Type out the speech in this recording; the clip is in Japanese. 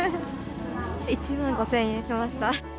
１万５０００円しました。